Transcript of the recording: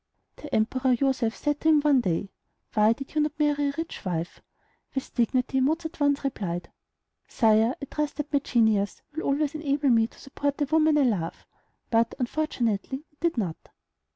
The Emperor Joseph said to him one day, "Why did you not marry a rich wife?" With dignity Mozart at once replied, "Sire, I trust that my genius will always enable me to support the woman I love"; but unfortunately it did not.